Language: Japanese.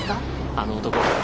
あの男